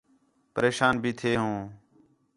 پریشان بھی تھے ہوں